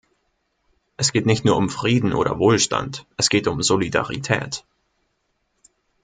Es geht nicht nur um Frieden oder Wohlstand, es geht um Solidarität.